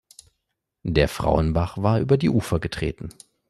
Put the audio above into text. Der Frauenbach war über die Ufer getreten.